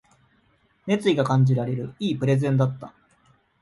熱意が感じられる良いプレゼンだった